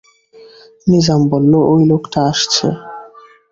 নিজাম বলল, ঐ লোকটা আসছে।